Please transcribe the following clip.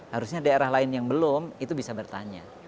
harusnya daerah lain yang belum itu bisa bertanya